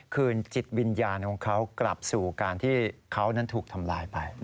คืนจิตวิญญาณของเขากลับสู่การที่เขานั้นถูกทำลายไป